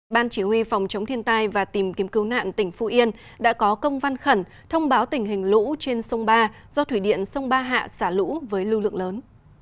ban chỉ huy phòng chống thiên tai và tìm kiếm cứu nạn tỉnh phú yên đã có công văn khẩn thông báo tình hình lũ trên sông ba do thủy điện sông ba hạ xả lũ với lưu lượng lớn